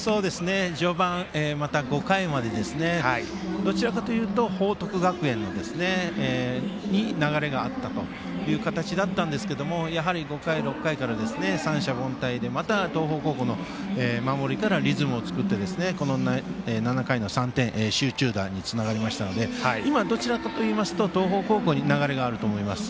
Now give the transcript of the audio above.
序盤、また５回までどちらかというと報徳学園に流れがあったんですが５回、６回から三者凡退でまた東邦高校の守りからリズムを作って７回の３点、集中打につながりましたので今、どちらかといいますと東邦高校に流れがあると思います。